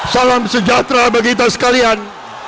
salam sejahtera bagi kita sekalian